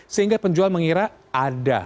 sehingga penjual mengira ada